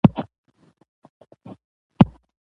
دا دره د کوز خوات د شمال لور ته